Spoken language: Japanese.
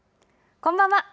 こんばんは。